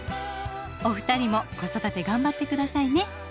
お二人も子育てがんばってくださいね。